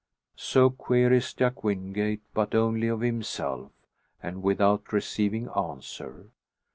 So queries Jack Wingate, but only of himself, and without receiving answer.